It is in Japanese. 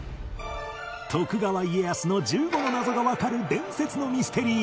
徳川家康の１５の謎がわかる伝説のミステリー